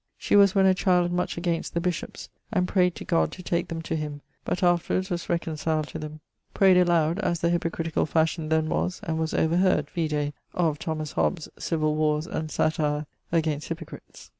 She was when a child much against the bishops, and prayd to God to take them to him, but afterwards was reconciled to them. Prayed aloud, as the hypocriticall fashion then was, and was overheared vide [=a] of T H Civill Warres and Satyre against Hypocrites.